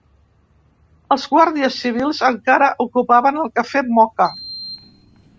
Els guàrdies civils encara ocupaven el Cafè Moka